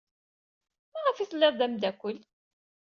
Maɣef ay t-tlid d ameddakel?